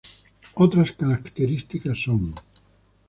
Otras características son.